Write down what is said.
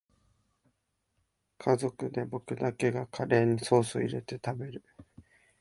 家族で僕だけがカレーにソースいれて食べる